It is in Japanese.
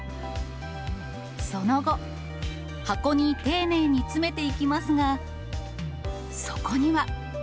その後、箱に丁寧に詰めていきますが、そこには。